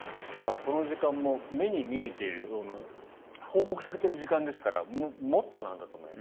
この時間も目に見えて報告されている時間ですからもっとなんだと思います。